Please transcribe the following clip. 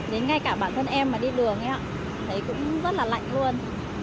đến ngay cả bản thân em mà đi đường ấy ạ thấy cũng rất là lạnh luôn